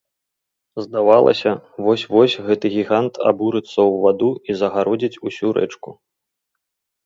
Здавалася, вось-вось гэты гігант абурыцца ў ваду і загародзіць усю рэчку.